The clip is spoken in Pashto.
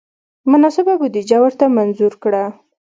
مناسبه بودجه ورته منظور کړه.